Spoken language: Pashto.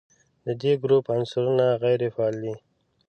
د دې ګروپ عنصرونه غیر فعال دي.